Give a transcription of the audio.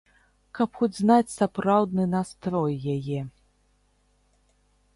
Каб хоць знаць сапраўдны настрой яе!